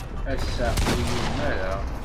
Ass-a, aql-iyi umareɣ.